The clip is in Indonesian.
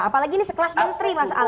apalagi ini sekelas menteri mas al